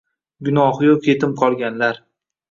Gunoxi yuq etim qolganlar